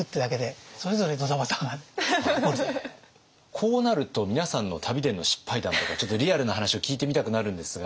こうなると皆さんの旅での失敗談とかちょっとリアルな話を聞いてみたくなるんですが。